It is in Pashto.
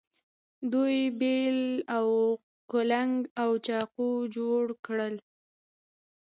دوی بیل او کلنګ او چاقو جوړ کړل.